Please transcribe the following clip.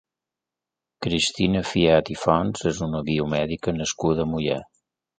Cristina Fillat i Fonts és una biomèdica nascuda a Moià.